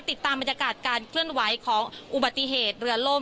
พูดสิทธิ์ข่าวธรรมดาทีวีรายงานสดจากโรงพยาบาลพระนครศรีอยุธยาครับ